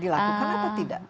dilakukan atau tidak